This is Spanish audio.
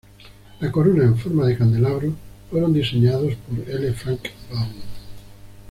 La corona en forma de candelabros fueron diseñadas por L. Frank Baum.